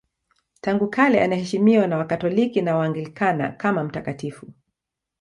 Tangu kale anaheshimiwa na Wakatoliki na Waanglikana kama mtakatifu.